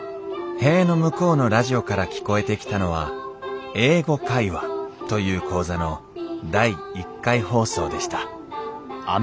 塀の向こうのラジオから聞こえてきたのは「英語会話」という講座の第１回放送でした